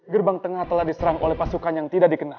gerbang tengah telah diserang oleh pasukan yang tidak dikenal